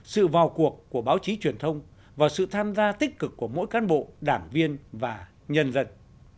sự vào cuộc của báo chí truyền thông và sự tham gia tích cực của mỗi cán bộ đảng viên và nhân dân